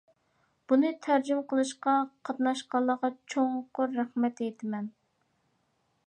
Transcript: بۇنى تەرجىمە قىلىشقا قاتناشقانلارغا چوڭقۇر رەھمەت ئېيتىمەن!